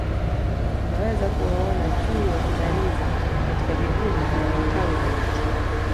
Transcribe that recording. Unaweza kuwaona Chui wakibarizi katika vivuli vya matawi ya miti